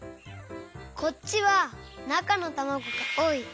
こっちはなかのたまごがおおい。